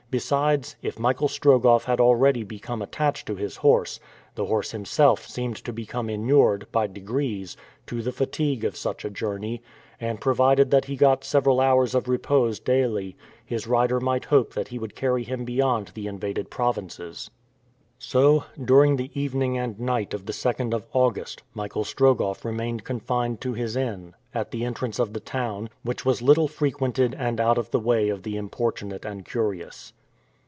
Besides, if Michael Strogoff had already become attached to his horse, the horse himself seemed to become inured, by degrees, to the fatigue of such a journey, and provided that he got several hours of repose daily, his rider might hope that he would carry him beyond the invaded provinces. So, during the evening and night of the 2nd of August, Michael Strogoff remained confined to his inn, at the entrance of the town; which was little frequented and out of the way of the importunate and curious.